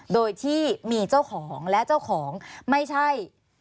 โดยที่มีเจ้าของและเจ้าของไม่ใช่